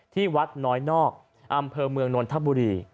ที่วัดน้อยนอกอำเภอเมืองนนทบุรี